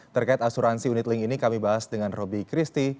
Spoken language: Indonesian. terkait asuransi unit link ini kami bahas dengan roby christi